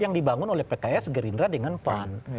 yang dibangun oleh pks gerindra dengan pan